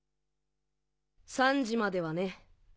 三時まではね。